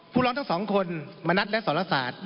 ร้องทั้งสองคนมณัฐและสรศาสตร์